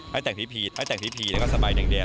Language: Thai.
ให้แต่งผีให้แต่งผีแล้วก็สบายแดง